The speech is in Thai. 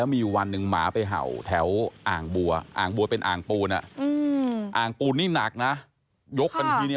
เออมันมาตู้ล้มแล้วมันก็มาหาพี่ไปเรื่อยเนี่ย